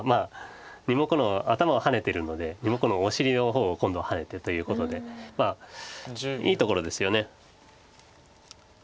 ２目の頭をハネてるので２目のお尻の方を今度はハネてということでいいところですよね。